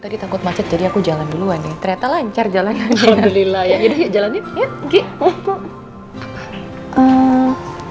tadi takut macet jadi aku jalan duluan ya ternyata lancar jalan jalan ya jalan